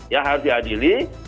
ya harus diadili